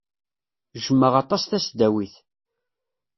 Jjmeɣ aṭas tasdawit.